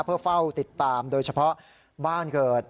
เพื่อเฝ้าติดตามโดยเฉพาะบ้านเกิด